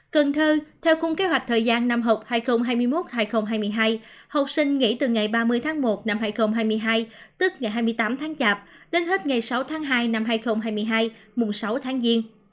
cần thơ theo cung kế hoạch thời gian năm học hai nghìn hai mươi một hai nghìn hai mươi hai học sinh nghỉ từ ngày ba mươi tháng một năm hai nghìn hai mươi hai tức ngày hai mươi tám tháng chạp đến hết ngày sáu tháng hai năm hai nghìn hai mươi hai mùng sáu tháng giêng